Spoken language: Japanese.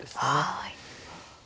はい。